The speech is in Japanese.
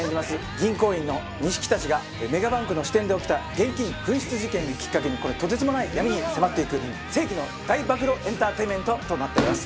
銀行員の西木たちがメガバンクの支店で起きた現金紛失事件をきっかけにとてつもない闇に迫っていく世紀の大暴露エンターテインメントとなっております。